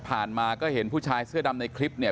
มาก็เห็นผู้ชายเสื้อดำในคลิปเนี่ย